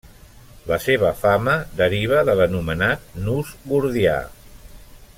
La seva fama deriva de l'anomenat nus gordià.